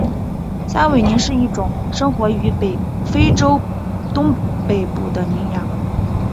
山苇羚是一种生活于非洲东北部的羚羊。